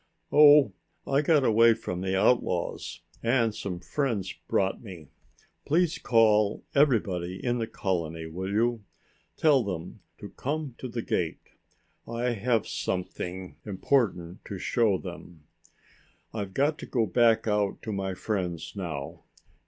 "Oh, I got away from the outlaws and some friends brought me. Please call everybody in the colony, will you? Tell them to come to the gate. I have something important to show them. I've got to go back out to my friends now.